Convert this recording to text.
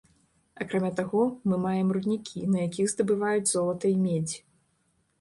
Акрамя таго, мы маем руднікі, на якіх здабываюць золата й медзь.